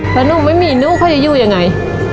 แล้วนุ่มไม่มีนุ่มเขาจะอยู่ยังไง